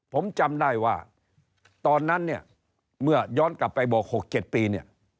ผมจำได้ว่าตอนนั้นเนี่ยเมื่อย้อนกลับไปบอก๖๗ปีเนี่ย